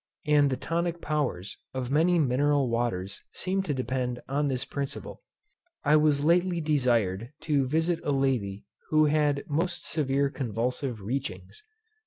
And the tonic powers of many mineral waters seem to depend on this principle. I was lately desired to visit a lady who had most severe convulsive REACHINGS.